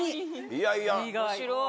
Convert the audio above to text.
いやいや。